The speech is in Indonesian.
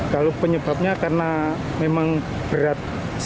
kalau penyebabnya karena memang berat